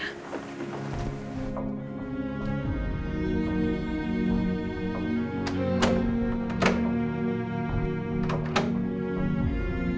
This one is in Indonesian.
aku masuk kamar ya